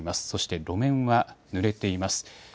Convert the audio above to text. そして路面はぬれています。